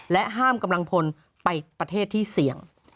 ห้ามกำลังพลไปประเทศที่เสี่ยง